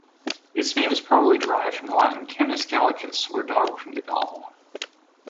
Its name is probably derived from the Latin "Canis Gallicus" or "Dog from Gaul".